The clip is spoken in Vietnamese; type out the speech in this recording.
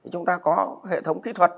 chúng ta có hệ thống kỹ thuật